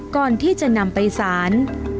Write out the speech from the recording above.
ก่อนที่จะนำไปสาร